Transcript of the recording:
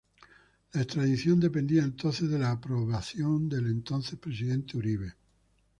La extradición dependía entonces de la aprobación del entonces Presidente Uribe.